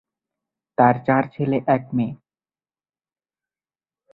তার চার ছেলে এক মেয়ে।